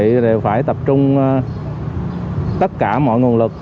anh em ở đơn vị đều phải tập trung tất cả mọi nguồn lực